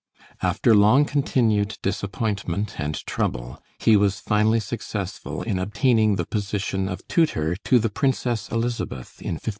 After long continued disappointment and trouble, he was finally successful in obtaining the position of tutor to the Princess Elizabeth, in 1548.